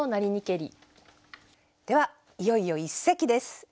ではいよいよ一席です。